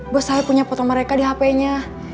buah saif punya foto mereka di hpnya